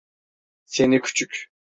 Seni küçük…